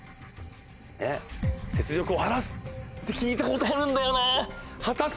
「雪辱を晴らす」って聞いたことあるんだよな。